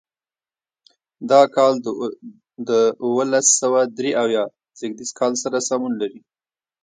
دا کال د اوولس سوه درې اویا زېږدیز کال سره سمون لري.